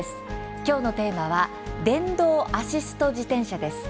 今日のテーマは「電動アシスト自転車」です。